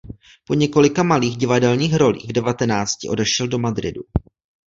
Po několika malých divadelních rolích v devatenácti odešel do Madridu.